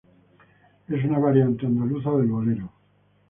Es una variante andaluza del bolero.